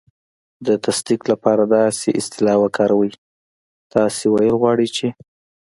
د تصدیق لپاره داسې اصطلاح وکاروئ: "تاسې ویل غواړئ چې..."